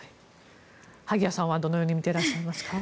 萩谷さんはどのように見ていますか。